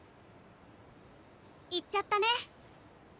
行っちゃったね。